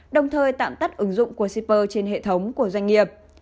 đồng thời tạm tắt ứng dụng của shipper trên hệ thống của doanh nghiệp